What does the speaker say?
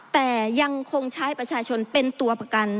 แต่ยังคงใช้ประชาชนเป็นตัวประกัน